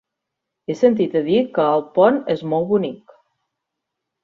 He sentit a dir que Alpont és molt bonic.